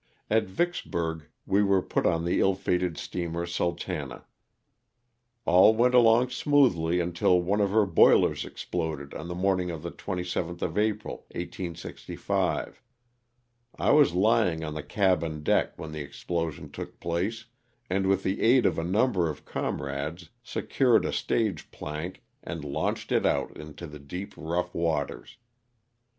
At Vicksburg we were put on the ill fated steamer '* Sultana." All went along smoothly until one of her boilers exploded on the morning of the 27th of April, 1865. I was lying on the cabin deck when the explosion took place, and with the aid of a number of comrades secured a stage plank and launched it out into the deep, rough waters.